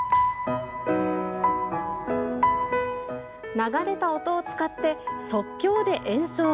流れた音を使って、即興で演奏。